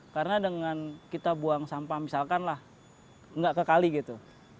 karena dengan kita buang sampah misalkan lah enggak ke kali gitu